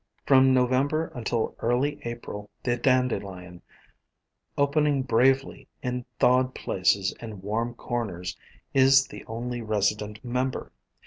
From November until early April the Dandelion, opening bravely in thawed places and warm corners, is the only resident member.